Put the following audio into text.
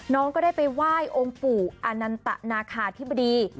น้องก็ได้ไปว่ายองค์ปู่อานันตะนาคาธิบดี